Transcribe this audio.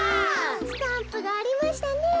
スタンプがありましたねえ。